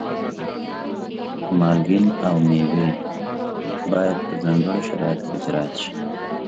مالګین او مېوې باید په ځانګړو شرایطو کې زراعت شي.